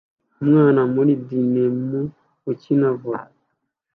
Umwana muri denim ukina volly boll